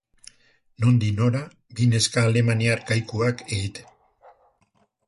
Nondik nora, bi neska alemaniar kaikuak egiten?